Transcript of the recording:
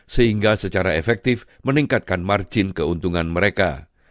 sehingga secara efektif meningkatkan margin keuntungan mereka